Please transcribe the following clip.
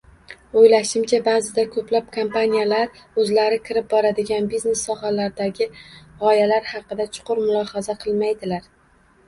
Oʻylashimcha, baʼzida koʻplab kompaniyalar oʻzlari kirib boradigan biznes sohalaridagi gʻoyalar haqida chuqur mulohaza qilmaydilar.